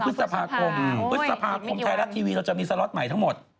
พฤษภาคมพฤษภาคมไทยรัฐทีวีเราจะมีสล็อตใหม่ทั้งหมด